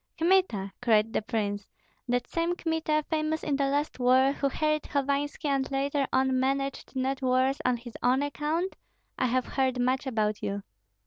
"Kmita!" cried the prince, "that same Kmita, famous in the last war, who harried Hovanski, and later on managed not worse on his own account? I have heard much about you."